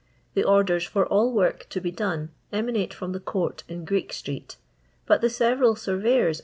The onieri for all work to be done emanate from the court in Qrcck itreet, but the aeveral furvevors, &c.